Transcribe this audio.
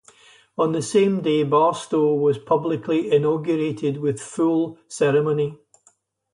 On the same day, Barstow was publicly inaugurated with full ceremony.